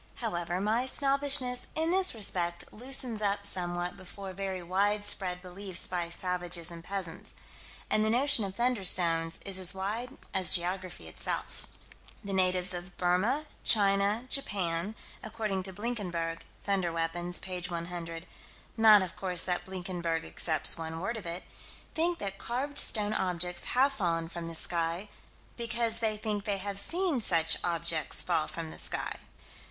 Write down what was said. However, my snobbishness, in this respect, loosens up somewhat before very widespread belief by savages and peasants. And the notion of "thunderstones" is as wide as geography itself. The natives of Burma, China, Japan, according to Blinkenberg (Thunder Weapons, p. 100) not, of course, that Blinkenberg accepts one word of it think that carved stone objects have fallen from the sky, because they think they have seen such objects fall from the sky.